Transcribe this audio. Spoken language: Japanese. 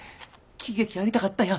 喜劇やりたかったんや。